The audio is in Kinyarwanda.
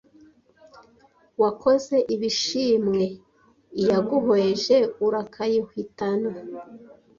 Wakoze ibishimwe Iyaguhweje urakayihwitana